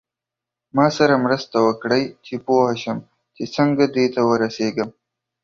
ما سره مرسته وکړئ چې پوه شم چې څنګه دې ته ورسیږم.